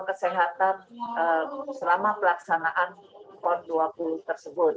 kesehatan selama pelaksanaan pon dua puluh tersebut